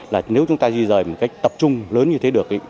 là nếu chúng ta di dời một cách tập trung lớn như thế được